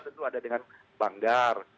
tentu ada dengan banggar